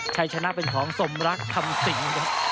ใครชนะเป็นของสมรักคำสิ่ง